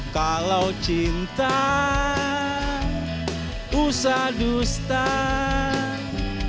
kalau cinta usah dukung